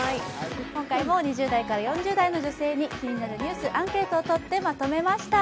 今回も２０代から４０代の女性に気になるニュース、アンケートをとってまとめました。